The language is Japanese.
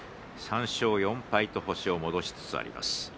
３勝４敗、星を戻しつつあります。